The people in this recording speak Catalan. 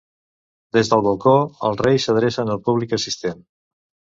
Des del balcó, els Reis s'adrecen al públic assistent.